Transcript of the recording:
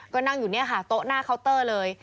ก็นั่งอยู่เนี่ยค่ะโต๊ะหน้าเคาน์เตอร์เลย